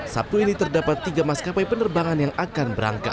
sabtu ini terdapat tiga maskapai penerbangan yang akan berangkat